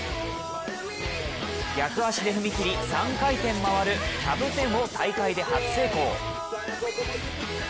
逆足で踏み切り、３回転回るキャブ１０８０を大会で初成功。